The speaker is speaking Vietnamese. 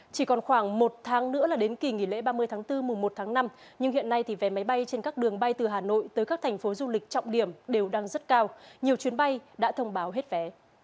chỉ còn khoảng một tháng nữa là đến kỳ nghỉ lễ ba mươi tháng bốn mùa một tháng năm nhưng hiện nay thì vé máy bay trên các đường bay từ hà nội tới các thành phố du lịch trọng điểm đều đang rất cao nhiều chuyến bay đã thông báo hết vé